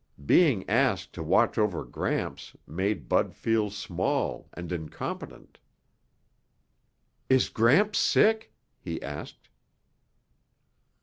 Being asked to watch over Gramps made Bud feel small and incompetent. "Is Gramps sick?" he asked.